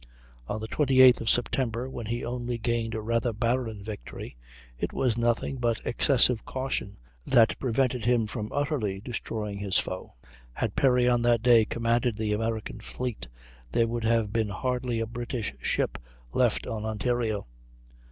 On the 28th of September, when he only gained a rather barren victory, it was nothing but excessive caution that prevented him from utterly destroying his foe. Had Perry on that day commanded the American fleet there would have been hardly a British ship left on Ontario.